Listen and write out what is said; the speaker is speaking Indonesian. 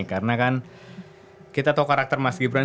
karena kan kita tau karakter mas gibran